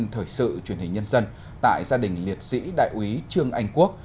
phóng viên thời sự truyền hình nhân dân tại gia đình liệt sĩ đại úy trương anh quốc